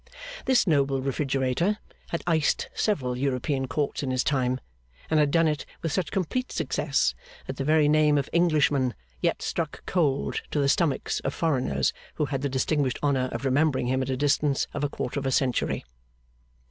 This noble Refrigerator had iced several European courts in his time, and had done it with such complete success that the very name of Englishman yet struck cold to the stomachs of foreigners who had the distinguished honour of remembering him at a distance of a quarter of a century.